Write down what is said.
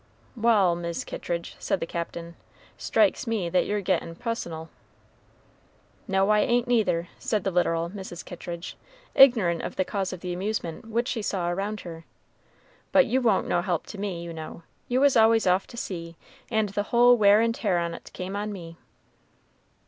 "Wal', Mis' Kittridge," said the Captain, "strikes me that you're gettin' pussonal." "No, I ain't neither," said the literal Mrs. Kittridge, ignorant of the cause of the amusement which she saw around her; "but you wa'n't no help to me, you know; you was always off to sea, and the whole wear and tear on't came on me."